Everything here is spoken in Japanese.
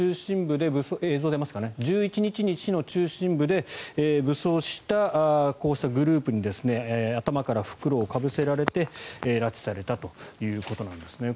１１日に市の中心部で武装した、こうしたグループに頭から袋をかぶせられて拉致されたということです。